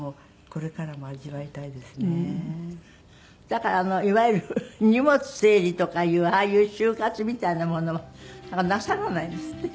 だからいわゆる荷物整理とかいうああいう終活みたいなものもなさらないんですって？